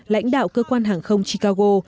lãnh đạo cơ quan hàng không chicago